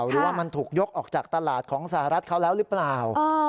หรือว่ามันถูกยกออกจากตลาดของสหรัฐเขาแล้วหรือเปล่า